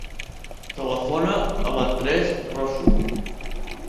Telefona a l'Andrés Rosu.